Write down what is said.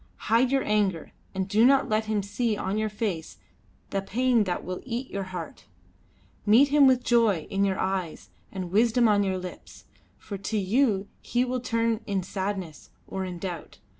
Hide your anger, and do not let him see on your face the pain that will eat your heart. Meet him with joy in your eyes and wisdom on your lips, for to you he will turn in sadness or in doubt.